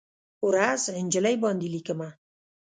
ورځ، نجلۍ باندې لیکمه